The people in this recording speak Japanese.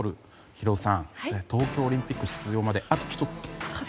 ヒロドさん、東京オリンピック出場まであと１つですね。